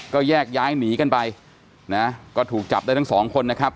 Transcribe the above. ก็แยกย้ายหนีกันไปนะก็ถูกจับได้ทั้งสองคนนะครับ